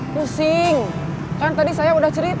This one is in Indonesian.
pusing kan tadi saya udah cerita